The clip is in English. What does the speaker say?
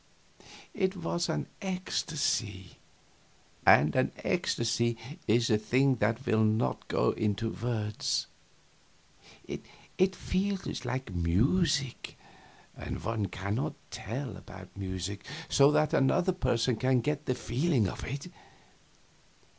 It was an ecstasy; and an ecstasy is a thing that will not go into words; it feels like music, and one cannot tell about music so that another person can get the feeling of it.